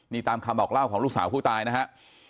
นี่ตามคำบอกเล่าของลูกสาวผู้ตายนะฮะ